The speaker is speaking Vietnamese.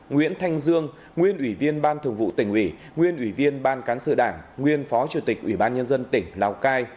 nguyễn thanh dương nguyên ủy viên ban thường vụ tỉnh ủy nguyên ủy viên ban cán sự đảng nguyên phó chủ tịch ủy ban nhân dân tỉnh lào cai